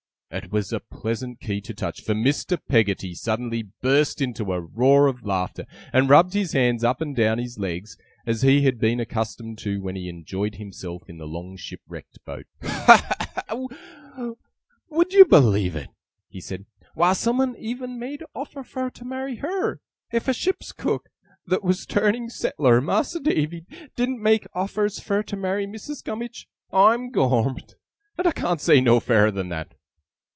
It was a pleasant key to touch, for Mr. Peggotty suddenly burst into a roar of laughter, and rubbed his hands up and down his legs, as he had been accustomed to do when he enjoyed himself in the long shipwrecked boat. 'Would you believe it!' he said. 'Why, someun even made offer fur to marry her! If a ship's cook that was turning settler, Mas'r Davy, didn't make offers fur to marry Missis Gummidge, I'm Gormed and I can't say no fairer than that!